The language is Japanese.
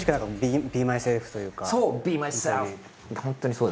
そう！